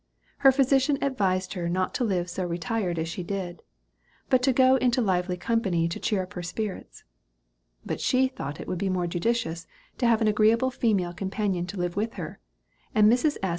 Her physician advised her not to live so retired as she did, but to go into lively company to cheer up her spirits; but she thought it would be more judicious to have an agreeable female companion to live with her; and Mrs. S.